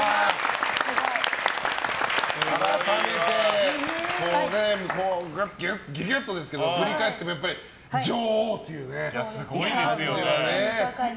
改めてギュギュッとですけど振り返ってもやっぱり女王っていう感じがね。